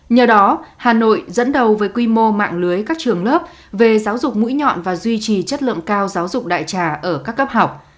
nhờ đó hà nội dẫn đầu với quy mô mạng lưới các trường lớp về giáo dục mũi nhọn và duy trì chất lượng cao giáo dục đại trà ở các cấp học